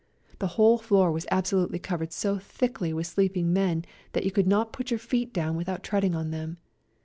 The whole floor was absolutely covered so thickly with sleeping men that you could not put your feet down without treading on them.